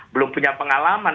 belum punya pengalaman